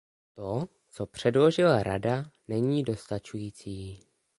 To, co předložila Rada, není dostačující.